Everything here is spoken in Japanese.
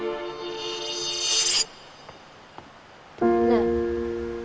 ねえ。